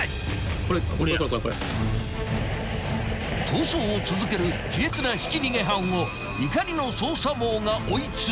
［逃走を続ける卑劣なひき逃げ犯を怒りの捜査網が追い詰める］